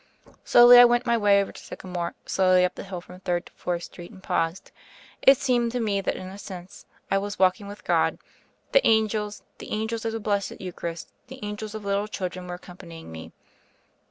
Slowly I went my way over to Sycamore, slowly up the hill from Third to Fourth St., and paused. It seemed to me that in a sense I was walking with God; that angels, the angels of the Blessed Eucharist, the angels of little children, were accompanying me.